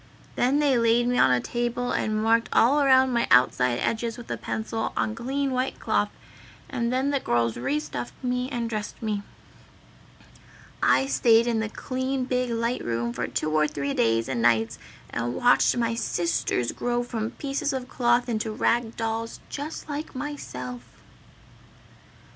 Then they laid me on a table and marked all around my outside edges with a pencil on clean white cloth, and then the girls re stuffed me and dressed me. "I stayed in the clean big light room for two or three days and nights and watched my Sisters grow from pieces of cloth into rag dolls just like myself!"